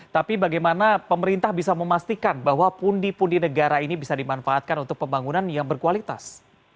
tapi bagaimana pemerintah bisa memastikan bahwa pundi pundi negara ini bisa dimanfaatkan untuk pembangunan yang berkualitas